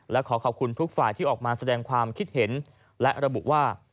และขอขอบคุณทุกฝ่ายที่ออกมาแสดงความคิดเห็นและระบุว่า